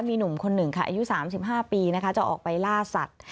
มีหนุ่มคนหนึ่งค่ะอายุ๓๕ปีนะคะจะออกไปล่าสัตว์